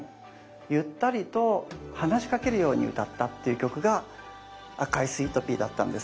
ゆったりと話しかけるように歌ったっていう曲が「赤いスイートピー」だったんです。